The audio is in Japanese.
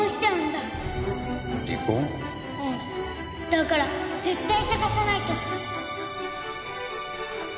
だから絶対探さないと！